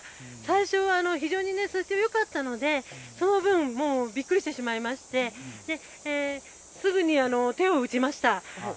最初は非常によかったので、その分、もうびっくりしてしまいまして、すぐに手を打ちました。